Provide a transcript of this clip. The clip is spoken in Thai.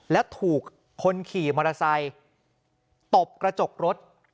แล้วถูกคนขี่มอเตอร์ไซค์ตบกระจกรถ